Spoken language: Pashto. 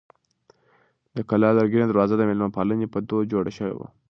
د کلا لرګینه دروازه د مېلمه پالنې په دود جوړه شوې وه.